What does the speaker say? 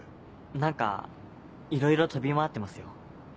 何かいろいろ飛び回ってますよ。